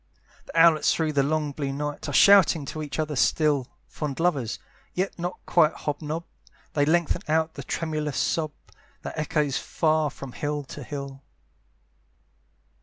The owlets through the long blue night Are shouting to each other still: Fond lovers, yet not quite hob nob, They lengthen out the tremulous sob, That echoes far from hill to hill.